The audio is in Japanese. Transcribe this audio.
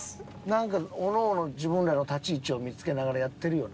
何かおのおの自分らの立ち位置を見つけながらやってるよな。